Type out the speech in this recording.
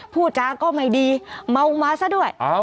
พูดจาก็ไม่ดีเมามาซะด้วย